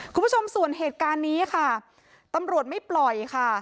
คุณผู้ชมส่วนเหตุการณ์นี้ค่ะตำรวจไม่ปล่อยค่ะ